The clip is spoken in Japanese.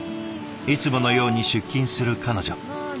いつものように出勤する彼女。